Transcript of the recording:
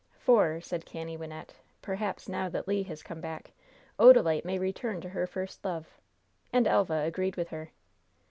"For," said canny Wynnette, "perhaps now that Le has come back Odalite may return to her first love." And Elva agreed with her.